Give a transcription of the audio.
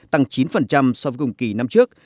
tăng chín so với cùng kỳ năm trước